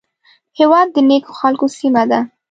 هېواد د نیکو خلکو سیمه ده